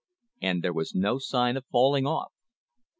And there was no sign of falling off.